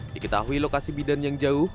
diketahui lokasi bidan yang jauh